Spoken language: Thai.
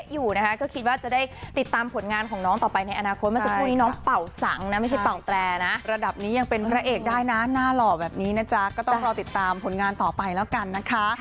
ยังก่อนครับเห็นอาจารย์เป็นแล้วก็ไม่ค่อยง่ายเท่าไหร่